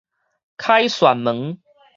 凱旋門